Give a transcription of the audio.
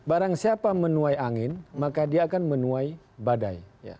barang siapa menuai angin maka dia akan menuai badai